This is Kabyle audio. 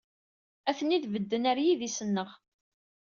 Ha-ten-i bedden ɣer yidis-nneɣ.